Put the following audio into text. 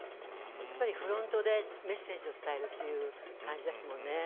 やっぱりフロントでメッセージを伝えるっていう感じですもんね。